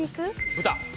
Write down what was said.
豚？